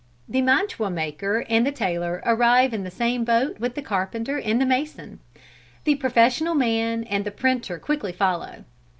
The mantua maker and the tailor arrive in the same boat with the carpenter and mason. The professional man and the printer quickly follow.